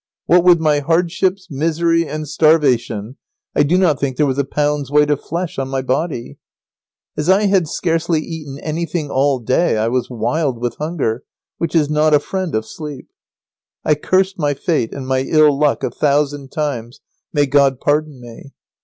What with my hardships, misery, and starvation I do not think there was a pound's weight of flesh on my body. [Sidenote: A very bad night.] As I had scarcely eaten anything all day I was wild with hunger, which is not a friend of sleep. I cursed my fate and my ill luck a thousand times, may God pardon me!